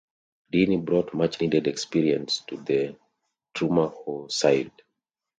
Deeney brought much needed experience to the Drumahoe side.